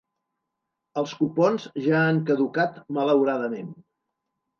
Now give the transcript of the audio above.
Els cupons ja han caducat malhauradament.